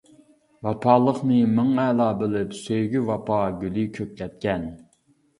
ۋاپالىقنى مىڭ ئەلا بىلىپ، سۆيگۈ ۋاپا گۈلى كۆكلەتكەن.